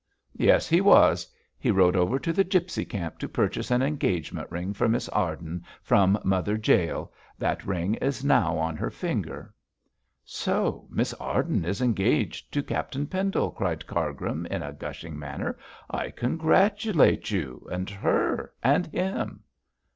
'Yes, he was! He rode over to the gipsy camp to purchase an engagement ring for Miss Arden from Mother Jael. That ring is now on her finger.' 'So Miss Arden is engaged to Captain Pendle,' cried Cargrim, in a gushing manner. 'I congratulate you, and her, and him.'